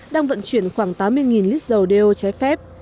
đang vận chuyển khoảng tám mươi lít dầu đeo trái phép